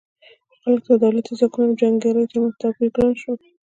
خلکو ته د دولتي ځواکونو او جنګیالیو ترمنځ توپیر ګران شو.